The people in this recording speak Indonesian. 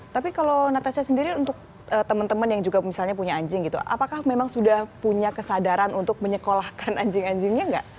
tapi kalau natasha sendiri untuk teman teman yang juga misalnya punya anjing gitu apakah memang sudah punya kesadaran untuk menyekolahkan anjing anjingnya nggak